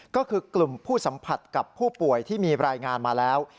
ก็คือกลุ่มผู้สัมผัสกับผู้ป่วยที่มีรายงานมาแล้ว